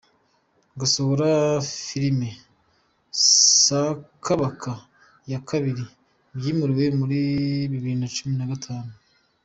Gusohora Filime Sakabaka ya kabiri, byimuriwe muri bibiri nacumi nagatanu